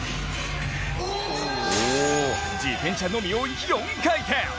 自転車のみを４回転。